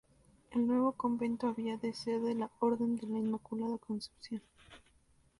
El nuevo convento había de ser de la Orden de la Inmaculada Concepción.